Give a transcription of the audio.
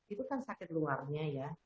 itu kan sakit luarnya ya